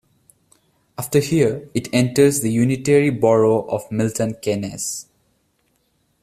After here it enters the Unitary borough of Milton Keynes.